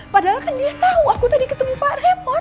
padahal kan dia tau aku tadi ketemu pak remon